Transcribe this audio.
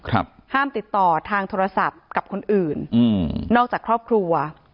ห้ามติดต่อทางโทรศัพท์กับคนอื่นอืมนอกจากครอบครัว